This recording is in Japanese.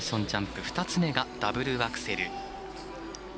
ジャンプ２つ目がダブルアクセル。